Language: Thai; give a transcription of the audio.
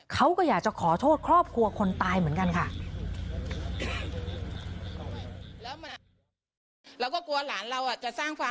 เขาก็อยากจะขอโทษครอบครัวคนตายเหมือนกันค่ะ